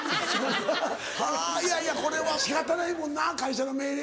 はぁいやいやこれは仕方ないもんな会社の命令で。